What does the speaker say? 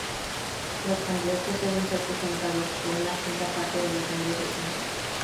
Los candidatos deben ser presentados por una quinta parte de los miembros del Consejo.